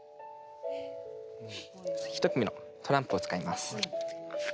一組のトランプを使います。